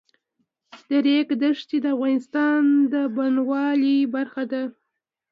د ریګ دښتې د افغانستان د بڼوالۍ برخه ده.